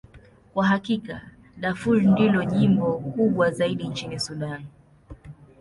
Kwa hakika, Darfur ndilo jimbo kubwa zaidi nchini Sudan.